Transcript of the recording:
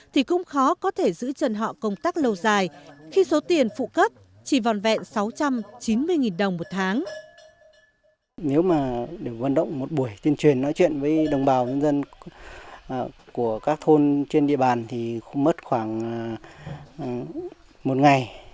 thì cũng khó có thể giữ chân họ công tác lâu dài khi số tiền phụ cấp chỉ vòn vẹn sáu trăm chín mươi đồng một tháng